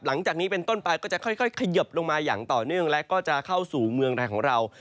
หลังจากนี้เป็นต้นไปก็จะค่อยเขยิบลงมาอย่างต่อเนื่องและก็จะเข้าสู่เมืองไทยของเรา